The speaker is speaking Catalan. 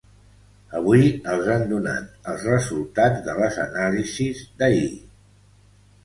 Avui els han donat els resultats de les anàlisis d’ahir.